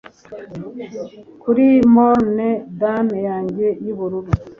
Kuri Morn dome yanjye yubururu